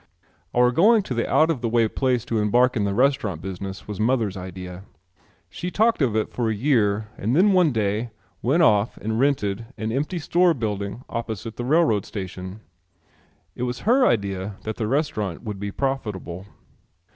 Our going to the out of the way place to embark in the restaurant business was mother's idea. She talked of it for a year and then one day went off and rented an empty store building opposite the railroad station. It was her idea that the restaurant would be profitable.